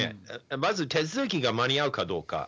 まず、手続きが間に合うかどうか。